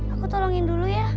aku tolongin dulu ya